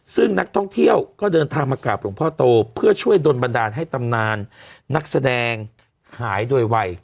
ซึ่งนักท่องเที่ยวก็เดินทางมากราบหลวงพ่อโตเพื่อช่วยดนบันดาลให้ตำนานนักแสดงหายโดยวัย